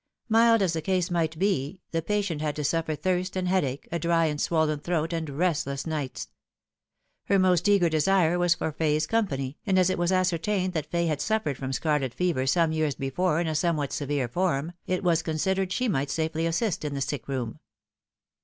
Mild as the case might be, the paiient had to suffer thirst and headache, a dry and swollen throat, and restless nights. Her most eager desire was for Fay's company, and as it was ascer tained that Fay had suffered from scarlet fever some years be fore in a eomewhat severe form, it was considered she might safely assist in the sick room.